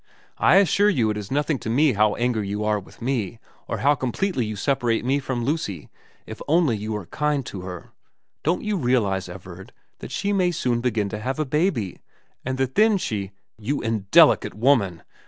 I assure you it is nothing to me how angry you are with me, or how completely you separate me from Lucy, if only you are kind to her. Don't you realise, Everard, that she may soon begin to have a baby, and that then she * You indelicate woman